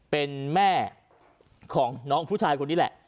เป็นแม่ของน้องผู้ชายคนนี้แหละ